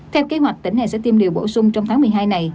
theo kế hoạch tỉnh này sẽ tiêm điều bổ sung trong tháng một mươi hai này